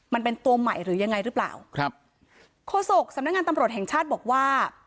มันเป็นตัวใหม่หรือยังไงหรือเปล่าครับโฆษกสำนักงานตำรวจแห่งชาติบอกว่า